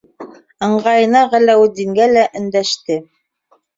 Ыңғайына Ғәләүетдингә лә өндәште.